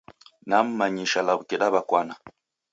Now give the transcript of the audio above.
Nammanyisha law'uke daw'ekwana.